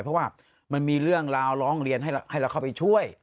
เพราะว่ามันมีเรื่องราวร้องเรียนให้เราเข้าไปช่วย